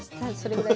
はい。